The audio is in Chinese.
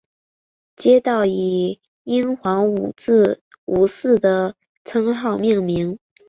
街道以英皇佐治五世的称号命名。